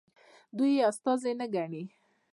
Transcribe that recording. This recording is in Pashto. دوی یې استازي نه ګڼي.